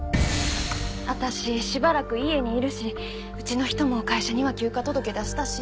私しばらく家にいるしうちの人も会社には休暇届出したし。